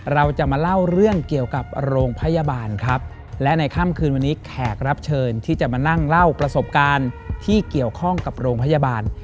เราจะมาเล่าเรื่องเกี่ยวกับโรงพยาบาลครับและในค่ำคืนวันนี้แขกรับเชิญที่จะมานั่งเล่าประสบการณ์ที่เกี่ยวข้องกับโรงพยาบาล